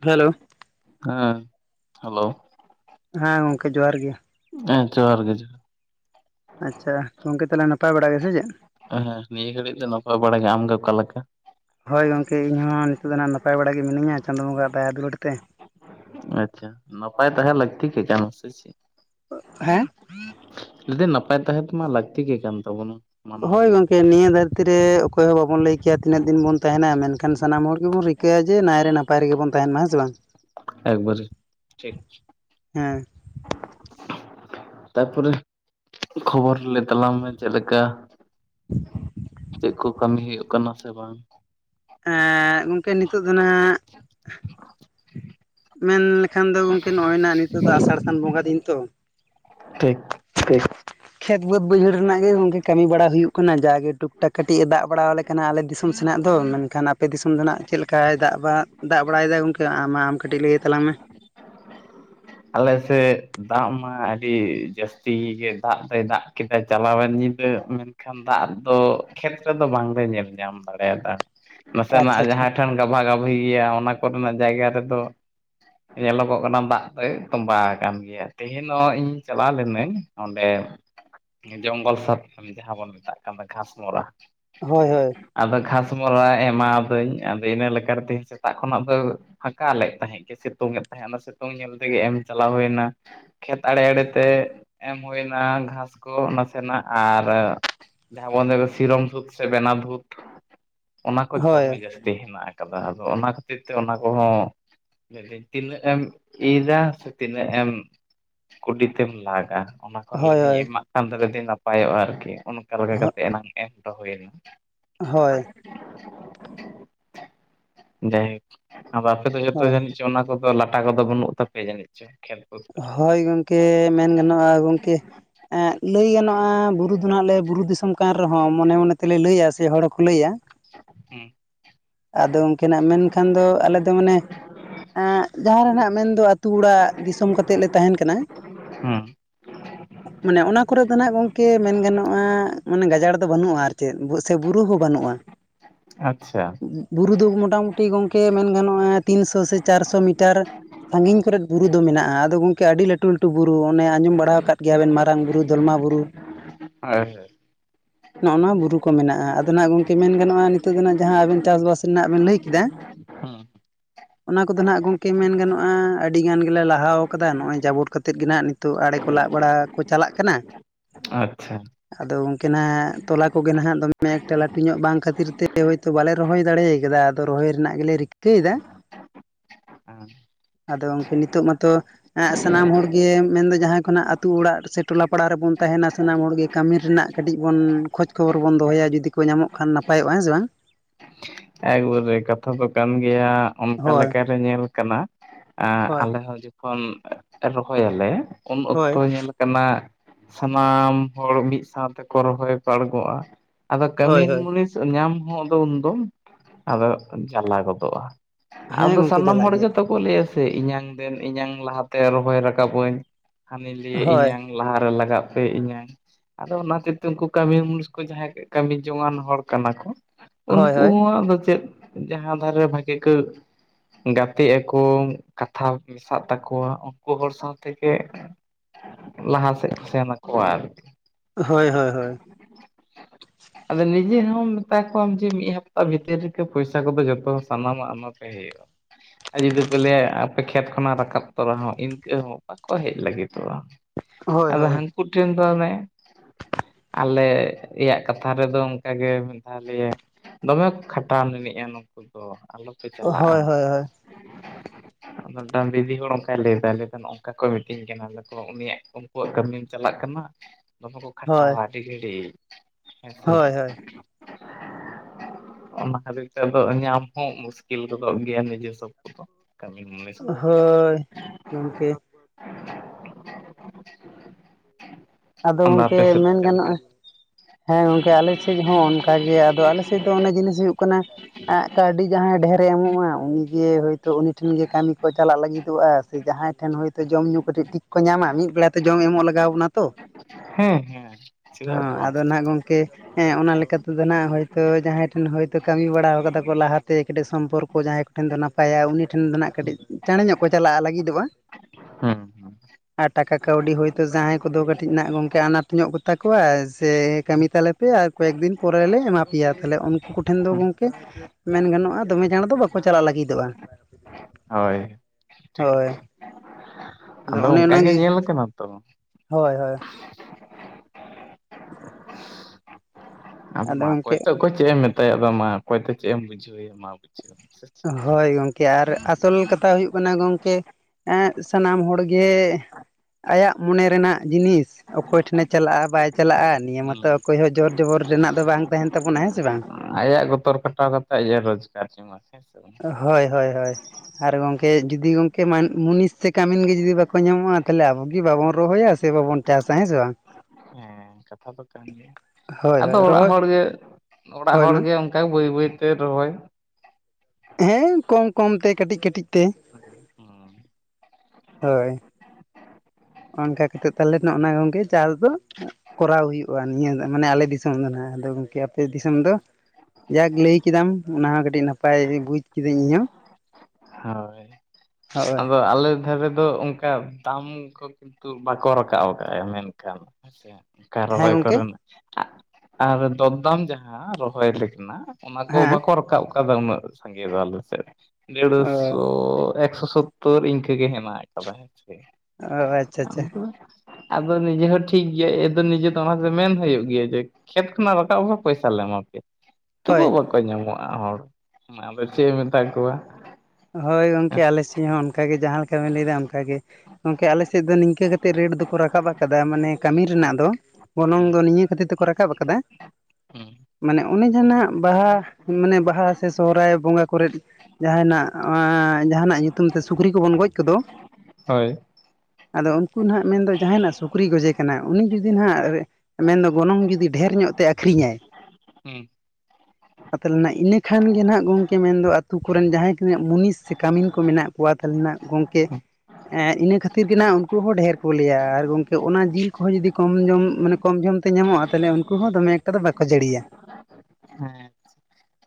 Hello. ᱦᱮᱸ, hello. ᱦᱮᱸ ᱜᱚᱝᱠᱮ ᱡᱚᱦᱟᱨ ᱜᱮ᱾ ᱦᱮᱸ ᱡᱚᱦᱟᱨ ᱜᱮ ᱡᱚᱼᱼ ᱟᱪᱪᱷᱟ, ᱜᱚᱝᱠᱮ ᱛᱟᱦᱚᱞᱮ ᱱᱟᱯᱟᱭ ᱵᱟᱲᱟ ᱜᱮ ᱥᱮ ᱪᱮᱫ? ᱦᱮᱸ ᱦᱮᱸ ᱱᱤᱭᱟᱹ ᱜᱷᱟᱹᱲᱤᱡ ᱫᱚ ᱱᱟᱯᱟᱭ ᱵᱟᱲᱟ ᱜᱮ ᱟᱢ ᱜᱮ ᱚᱠᱟ ᱞᱮᱠᱟ? ᱦᱳᱭ ᱜᱚᱢᱠᱮ ᱤᱧᱦᱚᱸ ᱱᱤᱛᱚᱜ ᱫᱚ ᱱᱟᱜ ᱱᱟᱯᱟᱭ ᱵᱟᱲᱟᱜ ᱜᱮ ᱢᱤᱱᱟᱹᱧᱟ ᱪᱟᱸᱫᱳ ᱵᱚᱸᱜᱟᱜ ᱫᱟᱭᱟ ᱫᱩᱞᱟᱹᱲ ᱛᱮ᱾ ᱟᱪᱪᱷᱟ, ᱱᱟᱯᱟᱭ ᱛᱟᱦᱮᱸ ᱞᱟᱹᱠᱛᱤ ᱠᱮ ᱠᱟᱱ ᱥᱮ ᱪᱮᱼᱼ ᱦᱮᱸ? ᱡᱩᱫᱤ ᱱᱟᱯᱟᱭ ᱛᱟᱦᱮᱸ ᱛᱮᱢᱟ ᱞᱟᱹᱠᱛᱤ ᱜᱮ ᱠᱟᱱ ᱛᱟᱵᱚᱱᱟ᱾ ᱢᱟᱱᱣᱟ ᱦᱳᱭ ᱡᱤᱭᱚᱱ ᱜᱚᱝᱠᱮ ᱱᱤᱭᱟᱹ ᱫᱷᱟᱹᱨᱛᱤ ᱨᱮ ᱚᱠᱚᱭ ᱦᱚᱸ ᱵᱟᱵᱚᱱ ᱞᱟᱹᱭ ᱠᱮᱭᱟ ᱛᱤᱱᱟᱹᱜ ᱫᱤᱱ ᱵᱚᱱ ᱛᱟᱦᱮᱱᱟ ᱢᱮᱱᱼᱼ ᱮᱱᱠᱷᱟᱱ ᱥᱟᱱᱟᱢ ᱦᱚᱲ ᱜᱮᱵᱚᱱ ᱨᱤᱠᱟᱹᱭᱟ ᱡᱮ ᱱᱟᱭᱨᱮ ᱱᱟᱯᱟᱭ ᱨᱮᱜᱮᱵᱚᱱ ᱛᱟᱦᱮᱱ ᱢᱟ ᱦᱮᱸ ᱥᱮ ᱵᱟᱝ? ᱴᱷᱤᱠ᱾ ᱦᱮᱸ᱾ ᱛᱟᱯᱚᱨᱮ ᱠᱷᱚᱵᱚᱨ ᱞᱟᱹᱭ ᱛᱟᱞᱟᱝ ᱢᱮ ᱪᱮᱫᱞᱮᱠᱟ? ᱪᱮᱫ ᱠᱚ ᱠᱟᱹᱢᱤ ᱦᱩᱭᱩᱜ ᱠᱟᱱᱟ ᱥᱮ ᱵᱟᱝ? ᱮᱸᱜ ᱜᱚᱝᱠᱮ ᱱᱤᱛᱚᱜ ᱫᱚ ᱱᱟᱦᱟᱜ, ᱢᱮᱱᱞᱠᱷᱟᱱ ᱫᱚ ᱜᱚᱝᱠᱮ ᱱᱚᱜᱼᱚᱭᱱᱟ ᱱᱤᱛᱚᱜ ᱫᱚ ᱟᱥᱟᱲ ᱥᱟᱱ ᱵᱚᱸᱜᱟ ᱫᱤᱱ ᱛᱚ ᱴᱷᱤᱠ᱾ [inaudible] ᱠᱷᱮᱛ ᱵᱟᱹᱫᱽ ᱵᱟᱹᱭᱦᱟᱹᱲ ᱨᱮᱱᱟᱜ ᱜᱮ ᱜᱚᱝᱠᱮ ᱠᱟᱹᱢᱤ ᱵᱟᱲᱟ ᱦᱩᱭᱩᱜ ᱠᱟᱱᱟ ᱡᱟᱜᱮ ᱴᱩᱠᱴᱟᱠ ᱠᱟᱹᱴᱤᱡ ᱮ ᱫᱟᱜ ᱵᱟᱲᱟᱣ ᱞᱮ ᱾ ᱠᱟᱱᱟ ᱟᱞᱮ ᱫᱤᱥᱚᱢ ᱥᱮᱱᱟᱜ ᱫᱚ ᱢᱮᱱᱠᱷᱟᱱ ᱟᱯᱮ ᱫᱤᱥᱚᱢ ᱫᱚ ᱱᱟᱜ ᱪᱮᱫ ᱞᱮᱠᱟᱭ ᱫᱟᱜ ᱫᱟᱜ ᱵᱟᱲᱟᱭᱮᱫᱟᱭ ᱜᱚᱝᱠᱮ ᱟᱢ ᱠᱟᱹᱼᱼ ᱠᱟᱹᱴᱤᱡ ᱞᱟᱹᱭ ᱛᱟᱝ ᱢᱮ᱾ ᱟᱞᱮ ᱥᱮᱫ ᱫᱟᱜ ᱢᱟ ᱟᱹᱰᱤ ᱡᱟᱹᱥᱛᱤ ᱜᱮ ᱫᱟᱜ ᱫᱚᱭ ᱫᱟᱜ ᱠᱮᱫᱟ ᱪᱟᱞᱟᱣᱮᱱ ᱧᱤᱫᱟᱹ ᱢᱮᱱᱼᱼ ᱠᱷᱟᱱ ᱫᱟᱜ ᱫᱚ ᱠᱷᱮᱛ ᱨᱮᱫᱚ ᱵᱟᱝᱞᱮ ᱧᱮᱞ ᱧᱟᱢ ᱫᱟᱲᱮᱭᱟᱫᱟ ᱟᱪᱪᱷᱟ ᱱᱟᱥᱮᱱᱟᱜ ᱟᱪᱪᱷᱟ ᱡᱟᱦᱟᱸ ᱴᱷᱮᱱ ᱜᱟᱵᱷᱟ ᱜᱟᱹᱵᱷᱤ ᱜᱮᱭᱟ ᱚᱱᱟ ᱠᱚᱨᱮᱱᱟᱜ ᱡᱟᱭᱜᱟ ᱨᱮᱫᱚ ᱧᱮᱞᱚᱜᱚᱜ ᱠᱟᱱᱟ ᱫᱟᱜ᱾ ᱴᱚᱸᱵᱷᱟ ᱟᱠᱟᱱ ᱜᱮᱭᱟ ᱛᱮᱦᱮᱱ ᱦᱚᱸ ᱤᱧ ᱪᱟᱞᱟᱣ ᱞᱤᱱᱟᱹᱧ ᱚᱸᱰᱮ ᱡᱚᱝᱜᱚᱞ ᱥᱟᱯ ᱡᱟᱦᱟᱸ ᱵᱚᱱ ᱢᱮᱛᱟᱜ ᱠᱟᱱ ᱫᱚ ᱜᱷᱟᱥᱢᱚᱨᱟ᱾ ᱦᱳᱭ ᱦᱳᱭ᱾ ᱟᱫᱚ ᱜᱷᱟᱟᱥᱢᱚᱨᱟ ᱮᱢᱟᱫᱟᱹᱧ ᱟᱫᱚ ᱤᱱᱟᱹ ᱞᱮᱠᱟ ᱨᱮ ᱛᱮᱦᱮᱧ ᱥᱮᱛᱟᱜ ᱠᱷᱚᱱᱟᱜ ᱫᱚ ᱯᱷᱟᱠᱟ ᱞᱮᱫ ᱛᱟᱦᱮᱸᱜ ᱜᱮ ᱥᱤᱛᱩᱝ ᱮᱫ ᱛᱟᱦᱮᱸᱫ ᱚᱱᱟ ᱥᱤᱛᱩᱝ ᱧᱮᱞ ᱛᱮᱜᱮ ᱮᱢ ᱪᱟᱞᱟᱣ ᱦᱩᱭᱱᱟ᱾ ᱠᱷᱮᱛ ᱟᱲᱮ ᱟᱲᱮᱛᱮ ᱮᱢ ᱦᱩᱭᱱᱟ ᱜᱷᱟᱥ ᱠᱚ ᱱᱟᱥᱮᱱᱟᱜ ᱟᱨ ᱡᱟᱦᱟᱸ ᱵᱚᱱ ᱥᱤᱨᱚᱢ ᱛᱩᱫ ᱥᱮ ᱵᱮᱱᱟ ᱛᱩᱫ ᱚᱱᱟ ᱠᱚ ᱦᱳᱭ ᱫᱚᱢᱮ ᱜᱮ ᱦᱮᱱᱟᱜ ᱟᱠᱟᱫᱟ ᱟᱫᱚ ᱚᱱᱟ ᱠᱷᱟᱹᱛᱤᱨ ᱛᱮ ᱚᱱᱟ ᱠᱚᱦᱚᱸ ᱛᱤᱱᱟᱹᱜ ᱮᱢ ᱤᱨᱟ ᱥᱮ ᱛᱤᱱᱟᱹᱜ ᱮᱢ ᱠᱩᱰᱤᱛᱮᱢ ᱞᱟᱜᱟ ᱚᱱᱟ ᱠᱷᱚᱱ ᱦᱳᱭ ᱞᱟᱹᱭᱫᱟᱹᱧ ᱦᱳᱭ ᱮᱢᱟᱜ ᱠᱷᱟᱱᱛᱮ ᱡᱩᱫᱤ ᱱᱟᱯᱟᱭᱚᱜᱼᱟ ᱟᱨᱠᱤ ᱚᱱᱠᱟ ᱞᱮᱠᱟ ᱠᱟᱛᱮᱜ ᱮᱱᱟᱝ ᱮᱢ ᱫᱚᱦᱚᱭᱮᱱᱟ ᱦᱳᱭ ᱡᱟᱭᱦᱳᱠ ᱟᱫᱚ ᱟᱯᱮ ᱫᱚ ᱡᱷᱚᱛᱚ ᱦᱳᱭ ᱡᱟᱹᱱᱤᱡ ᱚᱱᱟ ᱠᱚᱫᱚ ᱞᱟᱴᱟ ᱠᱚᱫᱚ ᱵᱟᱹᱱᱩᱜ ᱛᱟᱯᱮᱭᱟ ᱡᱟᱹᱱᱤᱡ? [unintelligible] ᱦᱳᱭ ᱜᱚᱢᱠᱮ ᱢᱮᱱ ᱜᱟᱱᱚᱜᱼᱟ ᱜᱚᱢᱠᱮ ᱞᱟᱹᱭ ᱜᱟᱱᱚᱜᱼᱟ ᱵᱩᱨᱩ ᱫᱚ ᱱᱟᱦᱟᱜ ᱞᱮ ᱵᱩᱨᱩ ᱫᱤᱥᱚᱢ ᱠᱟᱱ ᱨᱮᱦᱚᱸ ᱢᱚᱱᱮ ᱢᱚᱱᱮ ᱛᱮᱞᱮ ᱞᱟᱹᱭᱟ ᱥᱮ ᱦᱚᱲᱠᱚ ᱞᱟᱹᱭᱟ ᱦᱮᱸ ᱟᱫᱚ ᱩᱱᱠᱤᱱᱟᱜ ᱢᱮᱱᱠᱷᱟᱱ ᱫᱚ ᱟᱞᱮ ᱫᱚ ᱢᱟᱱᱮ ᱡᱟᱦᱟᱸ ᱨᱮᱱᱟᱜ ᱢᱮᱱᱫᱚ ᱛᱩ ᱚᱲᱟᱜ ᱫᱤᱥᱚᱢ ᱠᱟᱛᱮᱫ ᱞᱮ ᱛᱟᱦᱮᱱ ᱠᱟᱱᱟ ᱦᱩᱸ ᱾ ᱢᱟᱱᱮ ᱚᱱᱟ ᱠᱚᱨ ᱫᱚ ᱱᱟᱜ ᱜᱚᱢᱠᱮ ᱢᱮᱱ ᱜᱟᱱᱚᱜᱼᱟ ᱢᱟᱱᱮ ᱜᱟᱡᱟᱲ ᱫᱚ ᱵᱟᱹᱱᱩᱜᱼᱟ ᱟᱨ ᱪᱮᱫ ᱥᱮ ᱵᱩᱨᱩ ᱦᱚᱸ ᱵᱟᱹᱱᱩᱜᱼᱟ ᱾ ᱟᱪᱪᱷᱟ ᱵᱩᱨᱩ ᱫᱚ ᱢᱳᱴᱟᱢᱩᱴᱤ ᱜᱚᱝᱠᱮ ᱢᱮᱱ ᱜᱟᱱᱚᱜᱼᱟ ᱛᱤᱱᱥᱚ ᱥᱮ ᱪᱟᱨᱥᱚ ᱢᱤᱴᱟᱨ ᱥᱟᱺᱜᱤᱧ ᱠᱚᱨᱮᱫ ᱵᱩᱨᱩ ᱫᱚ ᱢᱮᱱᱟᱜᱼᱟ ᱟᱫᱚ ᱜᱚᱝᱠᱮ ᱟᱹᱰᱤ ᱞᱟᱹᱩᱩ ᱞᱟᱹᱴᱩ ᱵᱩᱨᱩ ᱚᱱᱮ ᱟᱸᱡᱚᱢ ᱵᱟᱲᱟ ᱟᱠᱟᱫ ᱜᱮᱭᱟ ᱵᱤᱱ ᱢᱟᱨᱟᱝ ᱵᱩᱨᱩ ᱫᱚᱞᱢᱟ ᱵᱩᱨᱩ ᱾ ᱱᱚᱜᱼ ᱱᱚᱣᱟ ᱵᱩᱨᱩ ᱠᱚ ᱢᱮᱱᱟᱜᱼᱟ ᱟᱫᱚ ᱱᱟᱜ ᱜᱚᱝᱠᱮ ᱢᱮᱱ ᱜᱟᱱᱚᱜᱼᱟ ᱱᱤᱛᱚᱜ ᱫᱚ ᱱᱟᱜ ᱡᱟᱦᱟᱸ ᱟᱵᱤᱱ ᱪᱟᱥᱵᱟᱥ ᱨᱮᱱᱟᱜ ᱵᱮᱱ ᱞᱟᱹᱭ ᱠᱮᱫᱟ ᱦᱩᱸ ᱚᱱᱟ ᱠᱚᱫᱚ ᱦᱟᱸᱜ ᱜᱚᱢᱠᱮ ᱢᱮᱱ ᱜᱟᱱᱚᱜᱼᱟ ᱟᱹᱰᱤ ᱜᱟᱱ ᱜᱮᱞᱮ ᱞᱟᱦᱟᱣ ᱠᱟᱫᱟ ᱱᱚᱜᱼᱚᱭ ᱡᱟᱵᱚᱰ ᱠᱟ ᱠᱟᱛᱮᱫ ᱜᱮ ᱱᱟᱦᱟᱸᱜ ᱱᱤᱛᱚᱜ ᱟᱲᱮ ᱠᱚ ᱠᱚᱞᱟᱜ ᱵᱟᱲᱟ ᱠᱚ ᱪᱟᱞᱟᱜ ᱠᱟᱱᱟ᱾ ᱟᱪᱪᱷᱟ ᱟᱫᱚ ᱜᱚᱢᱠᱮ ᱱᱟᱜ ᱛᱚᱞᱟ ᱠᱚᱜᱮ ᱱᱟᱜ ᱫᱚᱢᱮ ᱮᱠᱴᱟ ᱞᱟᱹᱴᱩ ᱧᱚᱜ ᱵᱟᱝ ᱠᱷᱟᱹᱛᱤᱨ ᱛᱮ ᱦᱚᱭᱛᱚ ᱵᱟᱞᱮ ᱨᱚᱦᱚᱭ ᱫᱟᱲᱮᱭᱟ ᱠᱟᱫᱟ ᱟᱫᱚ ᱨᱚᱦᱚᱭ ᱨᱮᱱᱟᱜ ᱜᱮᱞᱮ ᱨᱤᱠᱟᱹ ᱸ [inaudible] ᱟᱫᱚ ᱜᱚᱝᱠᱮ ᱱᱤᱛᱚᱜ ᱢᱟᱛᱚ ᱥᱟᱱᱟᱢ ᱦᱚᱲᱜᱮ ᱢᱮᱱᱫᱚ ᱡᱟᱦᱟᱸᱭ ᱠᱷᱚᱱᱟᱜ ᱟᱹᱛᱩ ᱚᱲᱟᱜ ᱥᱮ ᱴᱚᱞᱟ ᱯᱟᱲᱟ ᱨᱮᱵᱚᱱ ᱛᱟᱦᱮᱱᱟ ᱥᱟᱱᱟᱢ ᱦᱚᱲᱜᱮ ᱠᱟᱹᱢᱤ ᱨᱮᱱᱟᱜ ᱠᱟᱹᱴᱤᱡ ᱵᱚᱱ ᱠᱷᱚᱡᱽ ᱠᱷᱚᱵᱚᱨ ᱵᱚᱱ ᱫᱚᱦᱚᱭᱟ ᱡᱩᱫᱤ ᱠᱚ ᱧᱟᱢᱚᱜ ᱠᱷᱟᱱ ᱱᱟᱯᱟᱭᱚᱜᱼᱟ ᱦᱮᱸ ᱥᱮ ᱵᱟᱝ ᱮᱠᱵᱟᱨᱮ ᱠᱟᱛᱷᱟ ᱫᱚ ᱠᱟᱱ ᱜᱮᱭᱟ ᱚᱱᱠᱟ ᱦᱳᱭ ᱞᱮᱠᱟ ᱨᱮ ᱧᱮᱞ ᱠᱟᱱᱟ ᱦᱳᱭ ᱟᱞᱮ ᱦᱚᱸ ᱡᱚᱠᱷᱚᱱ ᱨᱚᱦᱚᱭᱟᱞᱮ ᱩᱱ ᱦᱳᱭ ᱚᱠᱛᱚ ᱧᱮᱞ ᱠᱟᱱᱟ ᱥᱟᱱᱟᱢ ᱦᱚᱲ ᱢᱤᱫ ᱥᱟᱶ ᱛᱮᱠᱚ ᱨᱚᱦᱚᱭ ᱠᱚ ᱟᱲᱜᱚᱜᱼᱟ ᱟᱫᱚ ᱦᱳᱭ ᱠᱟᱹᱢᱤᱱ ᱦᱳᱭ ᱢᱩᱱᱤᱥ ᱧᱟᱢ ᱦᱚᱸ ᱟᱫᱚ ᱩᱱ ᱫᱚᱢ ᱟᱫᱚ ᱡᱟᱞᱟ ᱜᱚᱫᱚᱜᱼᱟ ᱦᱮᱸ ᱟᱫᱚ ᱜᱚᱝᱠᱮ ᱥᱟᱱᱟᱢ ᱪᱟᱞᱟᱜ ᱦᱚᱲ ᱜᱮᱭᱟ ᱜᱮ ᱛᱚ ᱠᱚ ᱞᱟᱹᱭ? ᱥᱮ ᱤᱧᱟᱝ ᱫᱮᱱ ᱤᱧᱟᱝ ᱞᱟᱦᱟᱛᱮ ᱨᱚᱦᱚᱭ ᱨᱟᱠᱟᱵᱟᱹᱧ ᱦᱟᱱᱤ ᱞᱟᱹᱭᱟ ᱦᱳᱭ ᱤᱧᱟᱝ ᱞᱟᱦᱟᱨᱮ ᱞᱟᱜᱟᱜ ᱯᱮ ᱤᱧᱟᱝ᱾ ᱟᱫᱚ ᱚᱱᱟ ᱠᱷᱟᱹᱛᱤᱨ ᱛᱮ ᱩᱱᱠᱩ ᱠᱟᱹᱢᱤ ᱢᱩᱱᱤᱥ ᱠᱚ ᱡᱟᱦᱟᱸᱭ ᱠᱚ ᱠᱟᱹᱢᱤ ᱡᱚᱝᱟᱱ ᱦᱚᱲ ᱠᱟᱱᱟ ᱠᱚ ᱦᱳᱭ ᱩᱱᱠᱩ ᱦᱳᱭ ᱠᱟᱣᱟᱜ ᱫᱚ ᱪᱮᱫ ᱡᱟᱦᱟᱸ ᱫᱷᱟᱨᱮ ᱵᱷᱟᱜᱤ ᱠᱚ ᱜᱟᱛᱮᱜ ᱟᱠᱚ ᱠᱟᱛᱷᱟ ᱢᱮᱥᱟᱜ ᱛᱟᱠᱚᱣᱟ ᱩᱱᱠᱩ ᱦᱚᱲ ᱥᱟᱶᱛᱮᱜᱮ᱾ ᱞᱟᱦᱟ ᱥᱮᱫ ᱠᱚ ᱥᱮᱱ ᱟᱠᱚᱣᱟ ᱟᱨᱠᱤ ᱦᱳᱭ ᱦᱳᱭ ᱦᱳᱭ ᱟᱫᱚ ᱱᱤᱡᱮ ᱦᱚᱢ ᱢᱮᱛᱟ ᱠᱚᱣᱟᱢ ᱡᱮ ᱢᱤᱫ ᱦᱟᱯᱛᱟ ᱵᱷᱤᱛᱤᱨ ᱨᱮᱜᱮ ᱯᱚᱭᱥᱟ ᱠᱚᱫᱚ ᱡᱚᱛᱚ ᱥᱟᱱᱟᱢᱟᱜ ᱮᱢᱟ ᱯᱮ ᱦᱩᱭᱩᱜᱼᱟ [inaudible] ᱟᱨ ᱡᱩᱫᱤ ᱯᱮ ᱞᱟᱹᱭᱟ ᱟᱯᱮ ᱠᱷᱮᱛ ᱠᱷᱚᱱᱟᱜ ᱨᱟᱠᱟᱵ ᱛᱚᱨᱟ ᱦᱚᱸ ᱤᱱᱠᱟᱹ ᱦᱚᱸ ᱵᱟᱠᱚ ᱦᱮᱡ ᱞᱟᱹᱜᱤᱫᱚᱜᱼᱟ ᱦᱳᱭ ᱟᱫᱚ ᱦᱳᱭ ᱦᱟᱝᱠᱩ ᱴᱷᱮᱱ ᱫᱚ ᱚᱱᱮᱸ ᱟᱞᱮ ᱭᱟᱜ ᱠᱟᱛᱷᱟ ᱨᱮᱫᱚ ᱚᱱᱠᱟᱟᱜᱮ ᱢᱤᱫᱽ ᱫᱷᱟᱣ ᱞᱮ ᱫᱚᱢᱮ ᱠᱷᱟᱴᱟᱣ ᱢᱮᱱᱮᱡᱼᱟ ᱱᱩᱠᱩ ᱫᱚ ᱟᱞᱚᱯᱮ ᱪᱟᱞᱟᱜᱼᱟ᱾ ᱦᱳᱭ ᱦᱳᱭ [inaudible] ᱟᱫᱚ ᱢᱮᱴᱟᱝ ᱫᱤᱫᱤ ᱦᱚᱲ ᱱᱚᱝᱠᱟᱭ ᱞᱟᱹᱭ ᱮᱫᱟ ᱞᱮ ᱫᱟᱭ ᱱᱚᱝᱠᱟ ᱠᱚ ᱢᱤᱛᱟᱹᱧ ᱠᱟᱱᱟ ᱩᱱᱤᱭᱟᱜ ᱩᱱᱠᱩᱣᱟᱜ ᱠᱟᱹᱢᱤᱢ ᱪᱟᱞᱟᱜ ᱠᱟᱱᱟ ᱫᱚᱢᱮ ᱠᱚ ᱦᱳᱭ ᱠᱷᱟᱴᱟᱣᱟ ᱟᱹᱰᱤ ᱜᱷᱟᱹᱲᱤᱠ ᱦᱮᱸᱥᱮ᱾ ᱦᱳᱭ ᱦᱳᱭ ᱚᱱᱟ ᱠᱷᱟᱹᱛᱤᱨ ᱛᱮ ᱫᱚ ᱧᱟᱢ ᱦᱚᱸ ᱢᱩᱥᱠᱤᱞ ᱜᱚᱫᱚᱜ ᱜᱮᱭᱟ ᱱᱤᱡᱮᱥᱚᱵ ᱠᱚᱫᱚ [inaudible] ᱦᱳᱭ ᱜᱚᱝᱠᱮ᱾ [inaudible] ᱟᱫᱚ ᱜᱚᱝᱠᱮ ᱟᱯᱮ ᱥᱮᱫ ᱢᱮᱱ ᱪᱮᱫ ᱞᱮᱠᱟ ᱜᱟᱱᱚᱜᱼᱟ ᱦᱮᱸ ᱜᱚᱝᱠᱮ ᱟᱞᱮ ᱥᱮᱫᱽ ᱥᱮᱫᱽ ᱦᱚᱸ ᱚᱱᱠᱟᱜᱮ ᱟᱫᱚ ᱟᱞᱮ ᱥᱮᱫᱽ ᱫᱚ ᱚᱱᱮ ᱡᱤᱱᱤᱥ ᱦᱩᱭᱩᱜ ᱠᱟᱱᱟ ᱟ ᱠᱟᱹᱣᱰᱤ ᱡᱟᱦᱟᱸᱭ ᱰᱷᱮᱨᱮ ᱮᱢᱚᱜᱼᱟ ᱩᱱᱤᱜᱮ ᱦᱭᱛᱳ ᱩᱱᱤ ᱴᱷᱮᱱ ᱜᱮ ᱠᱟᱹᱢᱤ ᱠᱚ ᱪᱟᱞᱟᱜ ᱞᱟᱹᱜᱤᱫᱚᱜᱼᱟ ᱥᱮ ᱡᱟᱦᱟᱸᱭ ᱴᱷᱮᱱ ᱦᱳᱭᱛᱚ ᱡᱚᱢ ᱧᱩ ᱠᱟᱹᱴᱤᱡ ᱴᱷᱤᱠ ᱠᱚ ᱧᱟᱢᱟ ᱢᱤᱫ ᱵᱮᱲᱟᱛᱮ ᱡᱚᱢ ᱮᱢᱚᱜ ᱞᱟᱜᱟᱣ ᱵᱚᱱᱟ ᱛᱚ [unintelligible] ᱦᱮᱸ ᱦᱮᱸ ᱪᱮᱫᱟᱜ ᱥᱮ ᱵᱟᱝ ᱜᱚᱢᱠᱮ ᱦᱮᱸ ᱚᱱᱟ ᱞᱮᱠᱟᱛᱮᱫᱚ ᱱᱟᱦᱟᱜ ᱦᱭᱛᱳ ᱡᱟᱦᱟᱸᱭ ᱴᱷᱮᱱ ᱦᱭᱛᱳ ᱠᱟᱹᱢᱤ ᱵᱟᱲᱟ ᱠᱟᱫᱟ ᱠᱚ ᱞᱟᱦᱟᱛᱮ ᱠᱟᱹᱴᱤᱡ ᱥᱚᱢᱯᱚᱨᱠᱚ ᱚ ᱡᱟᱦᱟᱸᱭ ᱠᱚᱴᱷᱮᱱ ᱫᱚ ᱱᱟᱯᱟᱭᱟ ᱩᱱᱤ ᱴᱷᱮᱱ ᱫᱚ ᱦᱟᱜ ᱠᱟᱹᱴᱤᱡ ᱪᱟᱬᱮ ᱧᱚᱜ ᱠᱚ ᱪᱟᱞᱟᱜᱼᱟ ᱞᱟᱹᱜᱤᱫᱚᱜᱼᱟ ᱦᱩᱸ ᱦᱩᱸ ᱟᱨ ᱴᱟᱠᱟ ᱠᱟᱹᱣᱰᱤ ᱦᱳᱭᱛᱳ ᱡᱟᱦᱟᱸᱭ ᱠᱟᱹᱴᱤᱡᱱᱟᱜ ᱜᱚᱢᱠᱮ ᱟᱱᱟᱴ ᱧᱚᱜ ᱜᱮᱛᱟ ᱠᱚᱣᱟ ᱥᱮ ᱠᱟᱹᱢᱤ ᱛᱟᱞᱮ ᱯᱮ ᱟᱨ ᱠᱚᱭᱮᱠ ᱫᱤᱱ ᱯᱚᱨᱮᱞᱮ ᱞᱮ ᱮᱢᱟ ᱯᱮᱭᱟ ᱛᱟᱦᱚᱞᱮ ᱩᱱᱠᱩ ᱠᱚᱴᱷᱮᱱ ᱫᱚ ᱜᱚᱢᱠᱮ ᱢᱮᱱ ᱜᱟᱱᱚᱜᱼᱟ ᱫᱚᱢᱮ ᱪᱟᱬ ᱫᱚ ᱵᱟᱠᱚ ᱪᱟᱞᱟᱜ ᱞᱟᱹᱜᱤᱫᱚᱜᱼᱟ ᱦᱳᱭ ᱴᱷᱤᱠ ᱦᱳᱭ ᱟᱫᱚ ᱚᱱᱮ ᱚᱱᱠᱟ ᱜᱮ ᱚᱱᱟᱜᱮ ᱧᱮᱞ ᱠᱟᱱᱟ ᱛᱚ᱾ ᱦᱳᱭ ᱦᱳᱭ᱾ ᱟᱫᱚ ᱢᱟ ᱚᱠᱚᱭ ᱛᱮ ᱚᱠᱚᱭ ᱪᱮᱫ ᱮᱢ ᱢᱮᱛᱟᱭᱟ ᱟᱫᱚ ᱢᱟ ᱚᱠᱚᱭ ᱛᱮ ᱪᱮᱫ ᱮᱢ ᱵᱩᱡᱷᱟᱹᱣᱭᱟ ᱢᱟ ᱵᱩᱡᱷᱟᱣ ᱦᱳᱭ ᱜᱚᱝᱠᱮ ᱠᱮ ᱟᱨ ᱟᱥᱚᱞ ᱠᱟᱛᱷᱟ ᱦᱩᱭᱩᱜ ᱠᱟᱱᱟ ᱜᱚᱢᱠᱮ ᱥᱟᱱᱟᱢ ᱦᱚᱲ ᱜᱮ ᱟᱭᱟᱜ ᱢᱚᱱᱮ ᱨᱮᱱᱟᱜ ᱡᱤᱱᱤᱥ, ᱚᱠᱚᱭ ᱴᱷᱮᱱᱮ ᱪᱟᱞᱟᱜᱼᱟ ᱵᱟᱭ ᱪᱟᱞᱟᱜᱼᱟ, ᱱᱤᱭᱟᱹ ᱢᱟᱛᱚ ᱦᱩᱸ ᱚᱠᱚᱭ ᱦᱚᱸ ᱡᱚᱨ ᱡᱚᱵᱚᱨ ᱨᱮᱱᱟᱜ ᱫᱚ ᱵᱟᱝ ᱛᱟᱦᱮᱱ ᱛᱟᱵᱚᱱᱟ ᱦᱮᱸ ᱥᱮ ᱵᱟᱝ? ᱟᱭᱟᱜ ᱜᱚᱛᱚᱨ ᱠᱷᱟᱴᱟᱣ ᱠᱟᱛᱮ ᱟᱭᱮᱜ ᱨᱳᱡᱽᱜᱟᱨ ᱪᱚᱝᱟ ᱥᱮ ᱵᱟᱝ? ᱦᱳᱭ ᱦᱳᱭ ᱦᱳᱭ᱾ ᱟᱨ ᱜᱚᱝᱠᱮ ᱡᱩᱫᱤ ᱜᱚᱝᱠᱮ ᱢᱩᱱᱤᱥ ᱥᱮ ᱠᱟᱹᱢᱤᱱ ᱜᱮ ᱡᱩᱫᱤ ᱵᱟᱠᱚ ᱧᱟᱢᱚᱜᱼᱟ, ᱛᱟᱦᱚᱞᱮ ᱟᱵᱚ ᱠᱤ ᱵᱟᱵᱚᱱ ᱨᱚᱦᱚᱭᱟ ᱥᱮ ᱵᱟᱵᱚᱱ ᱪᱟᱥᱟ ᱦᱮᱸ ᱥᱮ ᱵᱟᱝ? ᱦᱮᱸ ᱠᱟᱛᱷᱟ ᱫᱚ ᱠᱟᱱ ᱜᱮᱭᱟ, ᱦᱳᱭ ᱟᱫᱚ ᱦᱳᱭ ᱚᱲᱟᱜ ᱨᱚᱦᱚᱭ ᱦᱚᱲᱜᱮ ᱚᱲᱟᱜ ᱦᱳᱭ ᱢᱟ ᱦᱚᱲᱜᱮ ᱚᱱ ᱠᱟ ᱵᱟᱹᱭ ᱵᱟᱹᱭᱛᱮ ᱨᱚᱦᱚᱭ ᱦᱮᱸ ᱠᱚᱢ ᱠᱚᱢ ᱛᱮ ᱠᱟᱹᱴᱤᱡ ᱠᱟᱹᱴᱤᱡ ᱛᱮ᱾ ᱦᱳᱭ ᱚᱱᱠᱟ ᱠᱟᱛᱮᱫ ᱛᱟᱦᱚᱞᱮ ᱱᱚᱜᱱᱟ ᱜᱚᱝᱠᱮ ᱪᱟᱥ ᱫᱚ ᱠᱚᱨᱟᱣ ᱦᱩᱭᱩᱜᱼᱟ ᱱᱤᱭᱟᱹ ᱢᱟᱱᱮ ᱟᱞᱮ ᱫᱤᱥᱚᱢ ᱫᱚ ᱱᱟᱜ ᱟᱫᱚ, ᱜᱚᱢᱠᱮ ᱟᱯᱮ ᱫᱤᱥᱚᱢ ᱫᱚ ᱡᱟᱠ ᱞᱟᱹᱭ ᱠᱮᱫᱟᱢ ᱚᱱᱟ ᱦᱚᱸ ᱠᱟᱹᱴᱤᱡ ᱱᱟᱯᱟᱭ ᱵᱩᱡᱽ ᱠᱤᱫᱟᱹᱧ ᱤᱧᱦᱚᱸ᱾ ᱦᱳᱭ ᱦᱳᱭ ᱟᱫᱚ ᱟᱞᱮ ᱫᱷᱟᱨᱮ ᱫᱚ ᱚᱱ ᱠᱟ ᱫᱟᱢ ᱠᱚ ᱠᱤᱱᱛᱩ ᱵᱟᱠᱚ ᱨᱟᱠᱟᱵ ᱟᱠᱟᱫᱼᱟ ᱢᱮᱱᱠᱷᱟᱱ ᱦᱮᱸᱥᱮ᱾ ᱚᱱᱠᱟ ᱦᱮᱸ ᱨᱚᱦᱚᱭ ᱜᱚᱝᱠᱮ ᱠᱚᱨᱮᱱᱟᱜ ᱟᱨ ᱫᱚᱫᱟᱢ ᱡᱟᱦᱟᱸ ᱨᱚᱦᱚᱭ ᱞᱮᱠᱟᱱᱟᱜ ᱚᱱᱟ ᱠᱚ ᱦᱮᱸ ᱵᱟᱠᱚ ᱨᱟᱠᱟᱵ ᱟᱠᱟᱫᱟ ᱩᱱᱟᱹᱜ ᱥᱟᱸᱜᱮ ᱫᱚ ᱟᱞᱮ ᱥᱮᱫ ᱰᱮᱲ ᱚ ᱥᱚ ᱮᱠᱥᱚ ᱥᱳᱛ ᱛᱳᱨ ᱤᱱᱠᱟᱹᱜᱮ ᱦᱮᱱᱟᱜ ᱟᱠᱟᱫᱟ ᱦᱮᱸ ᱥᱮ, ᱟᱪᱪᱷᱟ ᱟᱢ ᱟᱪᱪᱷᱟ ᱫᱚ ᱟᱫᱚ ᱱᱤᱡᱮ ᱦᱚᱸ ᱴᱷᱤᱠ ᱜᱮᱭᱟ ᱮ ᱱᱤᱡᱮ ᱫᱚ ᱚᱱᱟᱛᱮ ᱢᱮᱱ ᱦᱩᱭᱩᱜ ᱜᱮᱭᱟ ᱡᱮ ᱠᱷᱮᱛ ᱠᱷᱚᱱᱟᱜ ᱨᱟᱠᱟᱵ ᱦᱚᱸ ᱯᱚᱭᱥᱟ ᱞᱮ ᱮᱢᱟ ᱯᱮᱭᱟ᱾ ᱛᱚᱵᱩ ᱦᱳᱭ ᱵᱟᱠᱚ ᱧᱟᱢᱚᱜᱼᱟ ᱦᱚᱲ, ᱢᱟ ᱟᱫᱚ ᱪᱮᱫ ᱮᱢ ᱢᱮᱛᱟ ᱠᱚᱣᱟ᱾ ᱦᱳᱭ ᱜᱚᱝᱠᱮ ᱟᱞᱮ ᱥᱮᱫ ᱦᱚᱸ ᱚᱱᱠᱟᱜᱮ, ᱡᱟᱦᱟᱸ ᱞᱮᱠᱟ ᱵᱮᱱ ᱞᱟᱹᱭᱮᱫᱟ ᱚᱱᱠᱟᱜᱮ, ᱜᱚᱝᱠᱮ ᱟᱞᱮᱥᱮᱫ ᱫᱚ ᱱᱤᱝᱠᱟᱹ ᱠᱟᱛᱮᱫ ᱨᱮᱴ ᱫᱚᱠᱚ ᱨᱟᱠᱟᱵ ᱟᱠᱟᱫᱟ ᱢᱟᱱᱮ ᱠᱟᱹᱢᱤ ᱨᱮᱱᱟᱜ ᱫᱚ ᱜᱚᱱᱚᱝ ᱫᱚ ᱱᱤᱭᱟᱹ ᱠᱷᱟᱹᱛᱤᱨ ᱛᱮᱠᱚ ᱨᱟᱠᱟᱵ ᱟᱠᱟᱫᱟ, ᱢᱟᱱᱮ ᱚᱱᱮ ᱡᱮ ᱱᱟᱦᱟᱜ ᱵᱟᱦᱟ ᱢᱟᱱᱮ ᱵᱟᱦᱟ ᱥᱮ ᱥᱚᱦᱚᱨᱟᱭ ᱵᱚᱸᱜᱟ ᱠᱚᱨᱮᱫ ᱡᱟᱦᱟᱱᱟᱜ ᱟᱸᱻ ᱡᱟᱦᱟᱱᱟᱜ ᱧᱩᱛᱩᱢ ᱛᱮ ᱥᱩᱠᱨᱤ ᱠᱚᱵᱚᱱ ᱜᱚᱡ ᱠᱚᱫᱚ, ᱦᱳᱭ ᱟᱫᱚ ᱩᱱᱠᱩ ᱱᱟᱦᱟᱸᱜ ᱢᱮᱱᱫᱚ ᱡᱟᱦᱟᱭᱱᱟᱜ ᱥᱩᱠᱨᱤ ᱜᱚᱡᱮ ᱠᱟᱱᱟᱭ ᱩᱱᱤ ᱡᱩᱫᱤ ᱱᱟᱸᱜ ᱢᱮᱱᱫᱚ ᱜᱚᱱᱚᱝ ᱡᱩᱫᱤ ᱰᱷᱮᱨ ᱧᱚᱜ ᱛᱮ ᱟᱠᱷᱨᱤᱧᱟᱭ᱾ ᱦᱩᱸ ᱛᱟᱦᱚᱞᱮ ᱤᱱᱟᱹ ᱠᱷᱟᱱ ᱜᱮ ᱱᱟᱦᱟᱜ ᱜᱚᱢᱠᱮ ᱢᱮᱱᱫᱚ ᱟᱹᱛᱩ ᱠᱚᱨᱮᱱ ᱡᱟᱦᱟᱸᱭ ᱢᱩᱱᱤᱥ ᱥᱮ ᱠᱟᱹᱢᱤᱱ ᱠᱚ ᱢᱮᱱᱟᱜ ᱠᱚᱣᱟ ᱛᱟᱦᱚᱞᱮᱱᱟᱜ ᱜᱚᱢᱠᱮ ᱤᱱᱟᱹ ᱠᱷᱟᱹᱛᱤᱨ ᱜᱮ ᱱᱟᱦ ᱩᱱᱠᱩ ᱦᱚᱸ ᱰᱷᱮᱨ ᱠᱚ ᱞᱟᱹᱭᱟ ᱟᱨ ᱜᱚᱝᱠᱮ ᱚᱱᱟ ᱡᱤᱞ ᱠᱚᱦᱚᱸ ᱡᱩᱫᱤ ᱠᱚᱢ ᱡᱚᱢ ᱢᱟᱱᱮ ᱠᱚᱢ ᱡᱷᱚᱢ ᱛᱮ ᱧᱟᱢᱚᱜᱼᱟ ᱛᱟᱦᱚᱞᱮ ᱩᱱᱠᱩ ᱦᱚᱸ ᱫᱚᱢᱮ [unintelligible] ᱫᱚ ᱵᱟᱠᱚ ᱡᱟᱹᱲᱤᱭᱟ᱾ ᱦᱮᱸ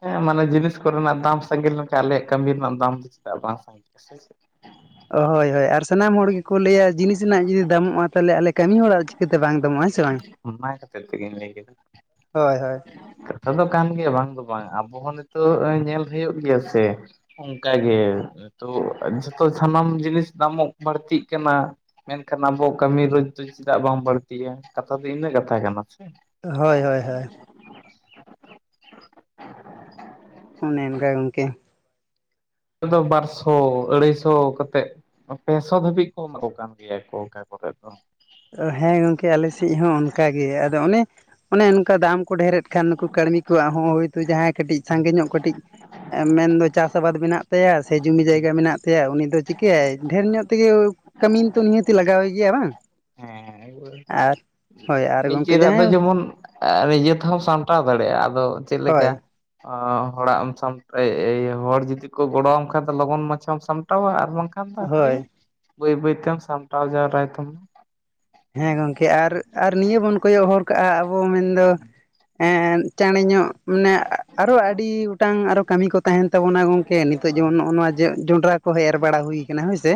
ᱦᱮᱸ ᱢᱟᱱᱮ ᱡᱤᱱᱤᱥ ᱠᱚᱨᱮᱱᱟᱜ ᱫᱟᱢ ᱥᱟᱸᱜᱮ ᱞᱮᱱᱠᱷᱟᱱ ᱟᱞᱮᱭᱟᱜ ᱠᱟᱹᱢᱤ ᱨᱮᱱᱟᱜ ᱫᱟᱢ ᱫᱚ ᱪᱮᱫᱟᱜ ᱵᱟᱝ ᱥᱟᱸᱜᱮ ᱟ ᱥᱮᱪᱮᱫᱼᱼ ᱦᱳᱭ ᱦᱳᱭ ᱟᱨ ᱥᱟᱱᱟᱢ ᱦᱚᱲ ᱜᱮᱠᱚ ᱞᱟᱹᱭᱟ ᱡᱤᱱᱤᱥ ᱨᱮᱱᱟᱜ ᱡᱩᱫᱤ ᱫᱟᱢᱚᱜᱼᱟ ᱛᱟᱦᱚᱞᱮ ᱟᱞᱮ ᱠᱟᱹᱢᱤ ᱦᱚᱲ ᱟᱨ ᱪᱤᱠᱟᱹᱛᱮ ᱵᱟᱝ ᱫᱟᱢᱚᱜᱼᱟ ᱦᱮᱸᱥᱮ ᱵᱟᱝ ᱚᱱᱟ ᱠᱷᱟᱹᱛᱤᱨ ᱛᱮᱜᱮᱧ ᱦᱳᱭ ᱦᱳᱭ᱾ ᱛᱚᱵᱮ ᱠᱟᱱ ᱜᱮᱭᱟ ᱵᱟᱝ ᱫᱚ ᱵᱟᱝ ᱟᱵᱚ ᱦᱚᱸ ᱱᱤᱛᱚᱜ ᱧᱮᱞ ᱦᱩᱭᱩᱜ ᱜᱮᱭᱟ ᱥᱮ᱾ ᱚᱱᱠᱟ ᱜᱮ ᱱᱤᱛᱚᱜ ᱡᱷᱚᱛᱚ ᱥᱟᱱᱟᱢ ᱡᱤᱱᱤᱥ ᱫᱟᱢ ᱦᱚᱸ ᱵᱟᱹᱲᱛᱤᱜ ᱠᱟᱱᱟ᱾ ᱢᱮᱱᱠᱷᱟᱱ ᱟᱵᱚᱣᱟᱜ ᱠᱟᱹᱢᱤ ᱨᱳᱡᱽ ᱫᱚ ᱪᱮᱫᱟᱜ ᱵᱟᱝ ᱵᱟᱹᱲᱛᱤᱜᱼᱟ ᱠᱟᱛᱷᱟ ᱫᱚ ᱤᱱᱟᱹᱜ ᱠᱟᱛᱷᱟ ᱠᱟᱱᱟ ᱥᱮ? ᱦᱳᱭ ᱦᱳᱭ ᱦᱳᱭ ᱚᱱᱮ ᱚᱱᱠᱟ ᱜᱚᱝᱠᱮ᱾ ᱟᱫᱚ ᱵᱟᱨ ᱥᱚ ᱟᱹᱲᱟᱹᱭ ᱥᱚ ᱠᱟᱛᱮᱜ ᱯᱮᱥᱚ ᱫᱷᱟᱹᱵᱤᱡ ᱠᱚ ᱮᱢᱟ ᱠᱚ ᱠᱟᱱ ᱜᱮᱭᱟ ᱠᱚ ᱚᱠᱟ ᱠᱚᱨᱮ ᱫᱚ᱾ ᱦᱮᱸ ᱜᱚᱝᱠᱮ ᱟᱞᱮᱥᱮᱫ ᱦᱚᱸ ᱚᱱᱠᱟ ᱜᱮ ᱟᱫᱚ ᱚᱱᱮ ᱚᱱᱮ ᱚᱱᱠᱟ ᱫᱟᱢ ᱠᱚ ᱰᱷᱮᱨᱮᱫ ᱠᱷᱟᱱ ᱱᱩᱠᱩ ᱠᱟᱹᱲᱢᱤ ᱠᱚᱣᱟᱜ ᱦᱚᱸ ᱦᱳᱭᱛᱚ ᱡᱟᱦᱟᱸᱭ ᱠᱟᱹᱴᱤᱡ ᱥᱟᱸᱜᱮ ᱧᱚᱜ ᱠᱟᱹᱴᱤᱡ ᱢᱮᱱᱫᱚ ᱪᱟᱥ ᱟᱵᱟᱫ ᱢᱮᱱᱟᱜ ᱛᱟᱭᱟ, ᱥᱮ ᱡᱚᱢᱤ ᱡᱟᱭᱜᱟ ᱢᱮᱱᱟᱜ ᱛᱟᱭᱟ ᱩᱱᱤ ᱫᱚ ᱪᱤᱠᱟᱹᱭᱟᱭ ᱰᱷᱮᱨ ᱧᱚᱜ ᱛᱮᱜᱮ ᱠᱟᱹᱢᱤᱱ ᱛᱚ ᱱᱤᱦᱟᱹᱛᱮ ᱞᱟᱜᱟᱣᱮ ᱜᱮᱭᱟ ᱵᱟᱝ? ᱦᱮᱸ ᱟᱨ [unintelligible] ᱦᱳᱭ ᱟᱨ ᱜᱚᱢᱠᱮ ᱱᱤᱡᱮᱨᱟᱜ ᱫᱚ ᱡᱟᱦᱟᱸᱭ ᱡᱮᱢᱚᱱ [unintelligible] ᱥᱟᱢᱴᱟᱣ ᱫᱟᱲᱮᱭᱟᱜᱼᱟ ᱟᱫᱚ ᱪᱮᱫ ᱞᱮᱠᱟ ᱦᱳᱭ ᱦᱚᱲᱟᱜ ᱮᱢ [inaudible] ᱦᱚᱲ ᱡᱩᱫᱤ ᱠᱚ ᱜᱚᱲᱚᱣᱟᱢ ᱠᱷᱟᱱ ᱫᱚ ᱞᱚᱜᱚᱱ ᱢᱟᱪᱷᱟᱢ ᱥᱟᱢᱴᱟᱣᱟ ᱟᱨ ᱵᱟᱝᱠᱷᱟᱱ ᱦᱳᱭ ᱵᱟᱹᱭ ᱵᱟᱹᱭ ᱛᱮᱢ ᱥᱟᱢᱴᱟᱣ ᱡᱟᱣᱨᱟ ᱛᱟᱢᱟ ᱦᱮᱸ ᱜᱚᱝᱠᱮ ᱟᱨ ᱟᱨ ᱱᱤᱭᱟᱹ ᱵᱚᱱ ᱠᱚᱭᱚᱜ ᱦᱚᱨ ᱠᱟᱜᱼᱟ ᱟᱵᱚ ᱢᱮᱱᱫᱚ [inaudible] ᱪᱟᱲ ᱧᱚᱜ ᱢᱟᱱᱮ ᱟᱨᱚ ᱟᱹᱰᱤ ᱜᱚᱴᱟᱝ ᱟᱨᱚ ᱠᱟᱹᱢᱤ ᱠᱚ ᱛᱟᱦᱮᱱ ᱛᱟᱵᱚᱱᱟ ᱜᱚᱝᱠᱮ ᱱᱤᱛᱚᱜ ᱡᱮᱢᱚᱱ ᱱᱚᱜᱼᱚ ᱱᱚᱣᱟ ᱡᱚᱸᱰᱨᱟ ᱠᱚᱦᱚᱸ ᱮᱨ ᱵᱟᱲᱟ ᱦᱩᱭ ᱠᱟᱱᱟ ᱦᱳᱭᱥᱮ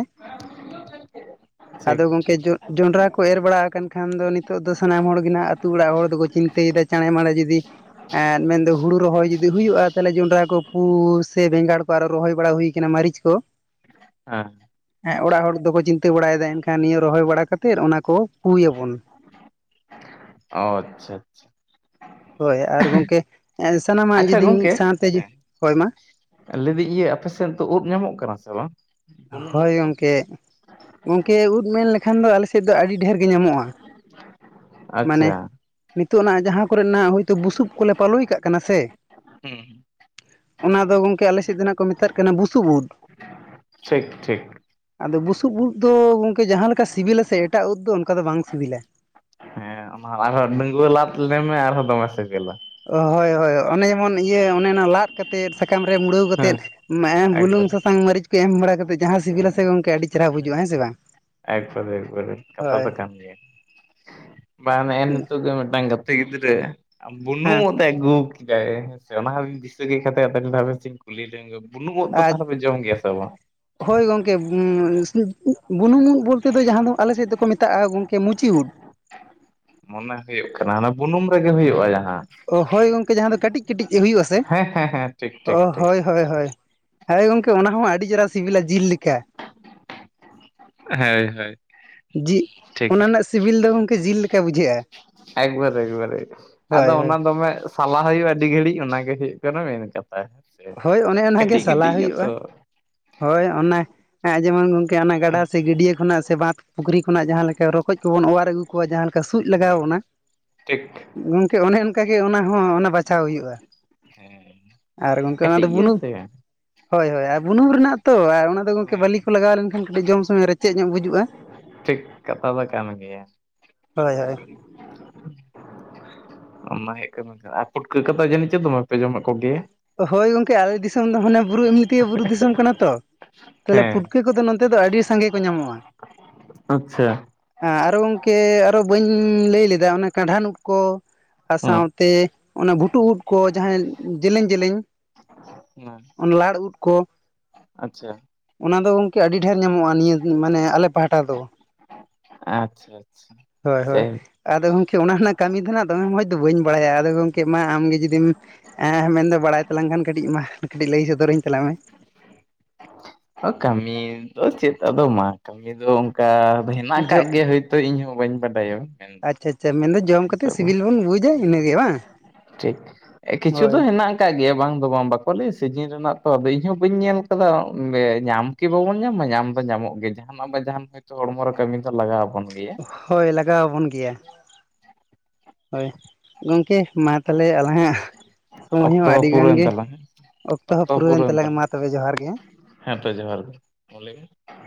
ᱴᱷᱤᱠ ᱴᱷᱤᱠ ᱡᱚᱸᱰᱨᱟ ᱠᱚ ᱮᱨ ᱵᱟᱲᱟ ᱟᱠᱟᱱ ᱠᱷᱟᱱ ᱫᱚ ᱱᱤᱛᱚᱜ ᱫᱚ ᱥᱟᱱᱟᱢ ᱦᱚᱲ ᱜᱮ ᱱᱟᱜ ᱟᱹᱛᱩ ᱚᱲᱟᱜ ᱦᱚᱲ ᱫᱚᱠᱚ ᱪᱤᱱᱛᱟᱹᱭᱮᱫᱟ ᱪᱟᱬᱮ ᱢᱟᱲᱮ ᱢᱮᱱᱫᱚ ᱦᱩᱲᱩ ᱨᱚᱦᱚᱭ ᱡᱩᱫᱤ ᱦᱩᱭᱩᱜᱼᱟ ᱛᱟᱞᱦᱮ ᱡᱚᱸᱰᱨᱟ ᱠᱚ ᱯᱩᱭ ᱥᱮ ᱵᱮᱸᱜᱟᱲ ᱟᱨᱚ ᱨᱚᱦᱚᱭ ᱵᱟᱲᱟ ᱦᱩᱭ ᱟᱠᱟᱱᱟ ᱢᱟᱹᱨᱤᱪ ᱠᱚ ᱦᱮᱸ ᱚᱲᱟᱜ ᱴᱷᱤᱠ ᱦᱚᱲ ᱫᱚᱠᱚ ᱪᱤᱱᱛᱟᱹ ᱵᱟᱲᱟᱭᱮᱫᱟ ᱮᱱᱠᱷᱟᱱ ᱱᱤᱭᱟᱹ ᱨᱚᱦᱚᱭ ᱵᱟᱲᱟ ᱠᱟᱛᱮ ᱚᱱᱟ ᱠᱚ ᱯᱩᱭᱟᱵᱚᱱ ᱚ ᱟᱪᱪᱷᱟ [unintelligible] ᱦᱳᱭ ᱟᱨ ᱜᱚᱝᱠᱮ ᱥᱟᱱᱟᱢᱟᱜ ᱟᱪᱪᱷᱟ ᱡᱩᱫᱤ ᱢᱤᱫ ᱥᱟᱶᱛᱮ ᱦᱳᱭ ᱢᱟ ᱞᱟᱹᱭ ᱫᱟᱹᱧ ᱤᱭᱟᱹ ᱟᱯᱮᱥᱮᱫ ᱫᱚ ᱩᱫ ᱧᱟᱢᱚᱜ ᱠᱟᱱᱟ ᱥᱮ ᱵᱟᱝ ᱵᱩᱱᱩᱢ ᱩᱫ ᱦᱳᱭ ᱠᱚ ᱜᱚᱝᱠᱮ ᱜᱚᱝᱠᱮ ᱩᱫ ᱢᱮᱱ ᱞᱮᱠᱷᱟᱱ ᱫᱚ ᱟᱞᱮᱥᱮᱫ ᱫᱚ ᱟᱹᱰᱤ ᱰᱷᱮᱨ ᱜᱮ ᱧᱟᱢᱚᱜᱼᱟ ᱢᱟᱱᱮ ᱟᱪᱪᱷᱟ ᱱᱤᱛᱚᱜ ᱱᱟ ᱡᱟᱦᱟᱸ ᱠᱚᱨᱮᱱᱟᱜ ᱦᱳᱭᱛᱳ ᱵᱩᱥᱩᱵ ᱠᱚᱞᱮ ᱯᱟᱞᱚᱭ ᱠᱟᱜ ᱠᱟᱱᱟ ᱥᱮ ᱦᱩᱸ ᱚᱱᱟ ᱫᱚ ᱜᱚᱝᱠᱮ ᱟᱞᱮ ᱥᱮᱫ ᱫᱚᱦᱟᱜ ᱠᱚ ᱢᱮᱛᱟᱜ ᱠᱟᱱᱟ ᱵᱩᱥᱩᱵ ᱩᱫ ᱴᱷᱤᱠ ᱴᱷᱤᱠ ᱟᱫᱚ ᱵᱩᱥᱩᱵ ᱩᱫ ᱫᱚ ᱜᱚᱝᱠᱮ ᱡᱟᱦᱟᱸ ᱞᱮᱠᱟ ᱥᱤᱵᱤᱞᱟ ᱥᱮ ᱮᱴᱟᱜ ᱩᱫ ᱫᱚ ᱚᱱᱠᱟ ᱫᱚ ᱵᱟᱝ ᱥᱤᱵᱤᱞᱟ ᱦᱮᱸ ᱚᱱᱟ ᱟᱨᱦᱚ ᱰᱟᱺᱝᱣᱟᱹ ᱞᱟᱫ ᱞᱟᱹᱭ ᱢᱮ ᱟᱨᱦᱚᱸ ᱫᱚᱢᱮ ᱥᱮᱵᱮᱞᱟ ᱚ ᱦᱳᱭ ᱦᱳᱭ ᱚᱱᱮ ᱡᱮᱢᱚᱱ ᱤᱭᱟᱹ ᱚᱱᱮ ᱚᱱᱟ ᱞᱟᱫ ᱠᱟᱛᱮᱫ ᱥᱟᱠᱟᱢ ᱨᱮ ᱢᱩᱲᱟᱹᱣ ᱠᱟᱛᱮᱫ ᱦᱮᱸ [inaudible] ᱵᱩᱞᱩ ᱮᱠᱵᱟᱨᱮ ᱥᱟᱥᱟᱝ ᱢᱟᱹᱨᱤᱪ ᱠᱚ ᱮᱢ ᱵᱟᱲᱟ ᱠᱟᱛᱮᱫ ᱡᱟᱦᱟᱸ ᱥᱤᱵᱤᱞᱟᱥᱮ ᱜᱚᱝᱠᱮ ᱟᱹᱰᱤ ᱪᱮᱦᱨᱟ ᱵᱩᱡᱩᱜᱼᱟ ᱦᱮᱸ ᱥᱮ ᱵᱟᱝ ᱦᱳᱭ [unintelligible] ᱵᱟᱝ ᱱᱮᱜᱮ ᱱᱤᱛᱚᱜ ᱜᱮ ᱢᱤᱫᱴᱟᱝ ᱜᱟᱛᱮ ᱜᱤᱫᱽᱨᱟᱹ ᱵᱩᱱᱩ ᱦᱮᱸ [inaudible] ᱟᱹᱜᱩ ᱠᱮᱫᱟᱭ ᱦᱮᱸᱥᱮ ᱚᱱᱟ ᱫᱤᱥᱟᱹ ᱠᱟᱛᱮ [unintelligible] ᱠᱩᱞᱤ ᱞᱮᱱ ᱵᱩᱱᱩᱢ ᱩᱫ ᱫᱚ ᱟᱨ ᱛᱟᱦᱚᱞᱮ ᱡᱚᱢ ᱜᱮᱭᱟ ᱥᱮ ᱵᱟᱝ ᱦᱳᱭ ᱜᱚᱝᱠᱮ ᱵᱩᱱᱩᱝ ᱫ ᱵᱚᱞᱛᱮ ᱫᱚ ᱡᱟᱦᱟᱸ ᱫᱚ ᱟᱞᱮ ᱥᱮᱫ ᱫᱚᱠᱚ ᱢᱮᱛᱟᱜᱼᱟ ᱜᱚᱝᱠᱮ ᱢᱩᱪᱤ ᱫ᱾ ᱢᱚᱱᱮ ᱦᱩᱭᱩᱜ ᱠᱟᱱᱟ ᱦᱟᱱᱮ ᱵᱩᱱᱩᱢ ᱨᱮᱜᱮ ᱦᱩᱭᱩᱜᱼᱟ ᱡᱟᱦᱟᱸ᱾ ᱚ ᱦᱳᱭ ᱜᱚᱢᱠᱮ ᱡᱟᱦᱟᱸ ᱫᱚ ᱠᱟᱹᱴᱤᱡ ᱠᱟᱹᱴᱤᱡ ᱦᱩᱭᱩᱜ ᱟᱥᱮ ᱦᱮᱸ ᱦᱮᱸ ᱦᱮᱸ ᱴᱷᱤᱠ ᱚ ᱴᱷᱤᱠ ᱴᱷᱤᱠ ᱦᱳᱭ ᱦᱳᱭ ᱦᱭ ᱦᱮᱸ ᱜᱚᱝᱠᱮ ᱚᱱᱟ ᱦᱚᱸ ᱟᱹᱰᱤ ᱪᱮᱦᱨᱟ ᱥᱤᱵᱤᱞᱟ ᱡᱤᱞ ᱞᱮᱠᱟ᱾ ᱦᱮᱭ ᱦᱳᱭ ᱡᱤᱞ ᱴᱷᱤᱠ ᱚᱱᱟ ᱨᱮᱱᱟᱜ ᱥᱤᱵᱤᱞ ᱫᱚ ᱜᱚᱢᱠᱮ ᱡᱤᱞ ᱞᱮᱠᱟ ᱵᱩᱡᱷᱟᱹᱜᱼᱟ᱾ ᱮᱠᱵᱟᱨ ᱮᱠᱵᱟᱨ ᱟᱫᱚ ᱦᱳᱭ ᱦᱳᱭ ᱚᱱᱟ ᱫᱚᱢᱮ ᱥᱟᱞᱟ ᱦᱩᱭᱩᱜᱼᱟ ᱟᱹᱰᱤ ᱜᱷᱟᱹᱲᱤᱡ ᱚᱱᱟ ᱜᱮ ᱦᱩᱭᱩᱜ ᱠᱟᱱᱟ ᱢᱮᱱ ᱠᱟᱛᱷᱟ᱾ ᱦᱮᱸᱥᱮ ᱦᱳᱭ ᱚᱱᱮ ᱚᱱᱟ ᱜᱮ ᱠᱟᱹᱴᱤᱡ ᱥᱟᱞᱟ ᱠᱟᱹᱴᱤᱡ ᱜᱮᱭᱟ ᱦᱩᱭᱩᱜᱼᱟ᱾ ᱛᱚ ᱦᱳᱭ ᱚᱱᱟ ᱡᱮᱢᱚᱱ ᱜᱚᱝᱠᱮ ᱚᱱᱟ ᱜᱟᱰᱟ ᱥᱮ ᱜᱟᱹᱰᱭᱟᱹ ᱠᱷᱚᱱᱟᱜ ᱥᱮ ᱵᱟᱸᱫᱽ ᱯᱩᱠᱷᱨᱤ ᱠᱷᱚᱱᱟᱜ ᱡᱟᱦᱟᱸ ᱞᱮᱠᱟ ᱨᱚᱠᱚᱡ ᱠᱚᱵᱚᱱ ᱚᱣᱟᱨ ᱟᱹᱜᱩ ᱠᱚᱣᱟ ᱡᱟᱦᱟᱸ ᱞᱮᱠᱟ ᱥᱩᱡ ᱞᱟᱜᱟᱣ ᱦᱳᱭ ᱵᱚᱱᱟ ᱴᱷᱤᱠ ᱜᱚᱝᱠᱮ ᱚᱱᱮ ᱚᱱᱠᱟᱜᱮ ᱚᱱᱟ ᱦᱚᱸ ᱚᱱᱟ ᱵᱟᱪᱷᱟᱣ ᱦᱩᱭᱩᱜᱼᱟ᱾ ᱦᱮᱸ ᱟᱨ ᱜᱚᱝᱠᱮ ᱚᱱᱟ ᱠᱟᱹᱴᱤᱡ ᱫᱚ ᱜᱮᱭᱟ ᱵᱩᱱᱩᱢ ᱥᱮ ᱦᱳᱭ ᱦᱳᱭ ᱟᱨ ᱵᱩᱱᱩᱢ ᱨᱮᱱᱟᱜ ᱛᱚ ᱟᱨ ᱚᱱᱟ ᱟᱫᱚ ᱜᱚᱢᱠᱮ ᱦᱮᱸ ᱵᱟᱹᱞᱤ ᱠᱚ ᱞᱟᱜᱟᱣ ᱞᱮᱱᱠᱷᱟᱱ ᱠᱟᱹᱴᱤᱡ ᱡᱚᱢ ᱥᱚᱢᱚᱭ ᱨᱮᱪᱮᱫ ᱧᱚᱜ ᱵᱩᱡᱩᱜᱼᱟ᱾ ᱴᱷᱤᱠ ᱠᱟᱛᱟ ᱫᱚ ᱠᱟᱱ ᱜᱮᱭᱟ᱾ ᱦᱳᱭ ᱦᱳᱭ ᱚᱱᱟ ᱦᱩᱭᱩᱜ ᱠᱟᱱᱟ ᱟᱨ ᱯᱩᱴᱠᱟᱹ ᱠᱚᱫᱚ ᱡᱟᱹᱱᱤᱡ ᱪᱚ ᱫᱚᱢᱮᱯᱮ ᱡᱚᱢᱮᱫ ᱠᱚᱜᱮᱭᱟ? ᱦᱳᱭ ᱜᱚᱝᱠᱮ ᱟᱞᱮ ᱫᱤᱥᱚᱢ ᱫᱚ ᱦᱟᱱᱮ ᱵᱩᱨᱩ ᱮᱢᱱᱤ ᱛᱮᱜᱮ ᱵᱩᱨᱩ ᱫᱤᱥᱚᱢ ᱠᱟᱱᱟ ᱛᱚ ᱛᱟᱦᱞᱮ ᱦᱮᱸ ᱯᱩᱴᱠᱟᱹ ᱠᱚᱫᱚ ᱱᱚᱱᱛᱮ ᱫᱚ ᱟᱹᱰᱤ ᱥᱟᱸᱜᱮ ᱠᱚ ᱧᱟᱢᱚᱜᱼᱟ᱾ ᱟᱪᱪᱷᱟ ᱦᱮᱸ ᱟᱨᱚ ᱜᱚᱝᱠᱮ ᱟᱨᱚ ᱵᱟᱹᱧ ᱞᱟᱹᱭ ᱞᱮᱫᱟ ᱚᱱᱟᱮ ᱠᱟᱸᱰᱷᱟᱱ ᱩᱫ ᱠᱚ ᱟᱨ ᱦᱮᱸ ᱥᱟᱶᱛᱮ ᱚᱱᱟ ᱵᱷᱩᱴᱩᱼ ᱩᱴ ᱠᱚ ᱡᱟᱦᱟᱸᱭ ᱡᱮᱞᱮᱧ ᱡᱮᱞᱮᱧ [unintelligible] ᱞᱟᱲ ᱩᱫ ᱠᱚ ᱟᱪᱪᱷᱟ ᱚᱱᱟ ᱫᱚ ᱜᱚᱝᱠᱮ ᱟᱹᱰᱤ ᱰᱷᱮᱨ ᱧᱟᱢᱚᱜᱼᱟ ᱱᱤᱭᱟᱹ ᱢᱟᱱᱮ ᱟᱞᱮ ᱯᱟᱦᱟᱴᱟ ᱫᱚ᱾ ᱟᱪᱪᱷᱟ ᱟᱪᱪᱷᱟ ᱦᱳᱭ ᱦᱳᱭ ᱡᱟᱭᱦᱳᱠ ᱟᱫᱚ ᱜᱚᱢᱠᱮ ᱚᱱᱟ ᱨᱮᱱᱟᱜ ᱠᱟᱹᱢᱤ ᱫᱚ ᱱᱟᱜ ᱫᱚᱢᱮ ᱢᱚᱸᱡᱽ ᱫᱚ ᱵᱟᱹᱧ ᱵᱟᱲᱟᱭᱟ, ᱟᱫᱚ ᱜᱚᱢᱠᱮ ᱢᱟ ᱟᱢ ᱜᱮ ᱡᱩᱫᱤᱢ ᱮᱸ ᱢᱮᱱ ᱫᱚ ᱵᱟᱲᱟᱭ ᱛᱟᱞᱟᱝ ᱠᱷᱟᱱ ᱠᱟᱹᱴᱤᱡ ᱢᱟ ᱠᱟᱹᱴᱤᱡ ᱞᱟᱹᱭ ᱥᱚᱫᱚᱨᱟᱹᱧ ᱛᱟᱞᱟᱜ ᱢᱮ ᱠᱟᱹᱢᱤ ᱫᱚ ᱪᱮᱫ ᱟᱫᱚ ᱢᱟ ᱠᱟᱹᱢᱤ ᱫᱚ ᱚᱱᱠᱟ ᱫᱚ ᱦᱮᱱᱟᱜ ᱟᱠᱟᱜ ᱡᱚᱜ ᱜᱮᱭᱟ ᱦᱳᱭᱛᱳ ᱤᱧ ᱦᱚᱸ ᱵᱟᱹᱧ ᱵᱟᱰᱟᱭᱟ ᱢᱮᱱᱫᱚ ᱱᱤᱛᱚᱜ ᱫᱚ᱾ ᱡᱮ ᱤᱱᱟᱹᱜᱮ ᱵᱟᱝ ᱴᱷᱤᱠ ᱠᱤᱪᱷᱩ ᱦᱳᱭ ᱫᱚ ᱦᱮᱱᱟᱜ ᱟᱠᱟᱫ ᱜᱮᱭᱟ ᱵᱟᱝ ᱫᱚ ᱵᱟᱝ ᱵᱟᱠᱚ ᱞᱟᱹᱭ ᱥᱤᱡᱤᱱ ᱨᱮᱱᱟᱜ ᱛᱚ ᱟᱫᱚ ᱤᱧ ᱦᱚᱸ ᱵᱟᱹᱧ ᱧᱮᱞ ᱟᱠᱟᱫᱟ ᱧᱟᱢ ᱠᱤ ᱵᱟᱵᱚᱱ ᱧᱟᱢᱟ ᱧᱟᱢ ᱫᱚ ᱧᱟᱢᱚᱜ ᱜᱮ ᱡᱟᱦᱟᱱᱟᱜ ᱵᱟᱝ ᱡᱟᱦᱟᱱ ᱦᱳᱭᱛᱳ ᱦᱚᱲᱢᱚ ᱨᱮ ᱠᱟᱹᱢᱤ ᱫᱚ ᱞᱟᱜᱟᱣ ᱟᱵᱚᱱ ᱜᱮᱭᱟ᱾ ᱦᱳᱭ ᱞᱟᱜᱟᱣ ᱟᱵᱚᱱ ᱜᱮᱭᱟ ᱦᱳᱭ ᱜᱚᱢᱠᱮ ᱢᱟ ᱛᱟᱦᱚᱞᱮ ᱟᱞᱟᱜ ᱟᱜ ᱥᱚᱢᱚᱭ ᱚᱠᱛᱚ ᱦᱚᱸ ᱟᱹᱰᱤ ᱜᱟᱱ ᱯᱩᱨᱟᱹᱣᱮᱱ ᱜᱮ ᱛᱟᱞᱟᱝ ᱚᱠᱛᱚ ᱦᱚᱸ ᱯᱩᱨᱟᱹᱣᱮᱱ ᱛᱟᱞᱟᱝ-ᱟ ᱢᱟ ᱛᱚᱵᱮ ᱡᱚᱦᱟᱨ ᱜᱮ ᱾ ᱦᱮᱸ ᱛᱚ ᱡᱚᱦᱟᱨ ᱜᱮ ᱞᱟᱹᱭᱵᱤᱱ